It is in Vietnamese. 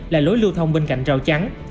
là lối lưu thông bên cạnh rào trắng